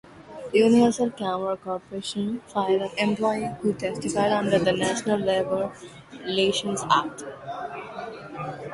Universal Camera Corporation fired an employee who testified under the National Labor Relations Act.